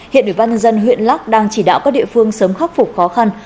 hiện nữ văn dân huyện lắc đang chỉ đạo các địa phương sớm khắc phục khó khăn